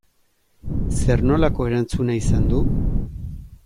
Zer nolako erantzuna izan du?